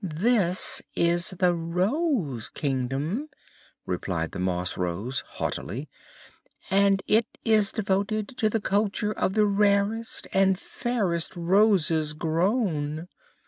"This is the Rose Kingdom," replied the Moss Rose, haughtily, "and it is devoted to the culture of the rarest and fairest Roses grown."